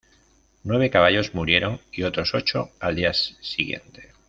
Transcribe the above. Nueve caballos murieron y otros ocho al día siguiente.